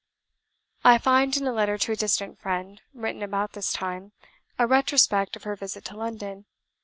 I find, in a letter to a distant friend, written about this time, a retrospect of her visit to London.